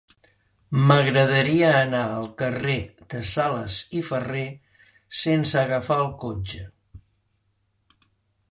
M'agradaria anar al carrer de Sales i Ferré sense agafar el cotxe.